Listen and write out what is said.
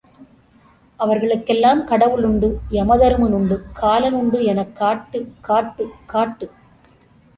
அவர்களுக் கெல்லாம் கடவுளுண்டு, யமதருமனுண்டு, காலனுண்டு எனக் காட்டு, காட்டு, காட்டு.